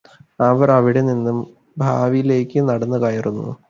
അവർ അവിടെ നിന്നും ഭാവിയിലേക്ക് നടന്നു കയറുന്നു